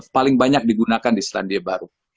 paling banyak digunakan di selandia baru